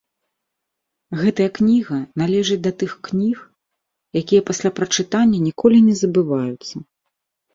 Гэтая кніга належыць да тых кніг, якія пасля прачытання ніколі не забываюцца.